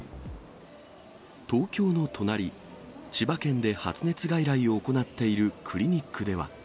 東京の隣、千葉県で発熱外来を行っているクリニックでは。